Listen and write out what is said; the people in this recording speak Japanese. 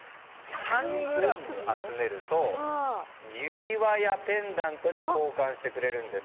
３ｇ集めると指輪やペンダントに交換してくれるんです。